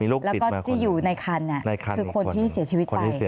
แล้วก็ที่อยู่ในคันคือคนที่เสียชีวิตไป